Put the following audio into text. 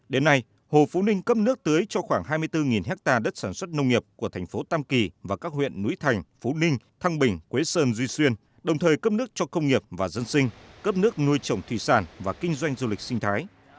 đến nay hồ phú ninh cấp nước tưới cho khoảng hai mươi bốn hectare đất sản xuất nông nghiệp của thành phố tam kỳ và các huyện núi thành phú ninh thăng bình quế sơn duy xuyên đồng thời cấp nước cho công nghiệp và dân sinh cấp nước nuôi trồng thủy sản và kinh doanh du lịch sinh thái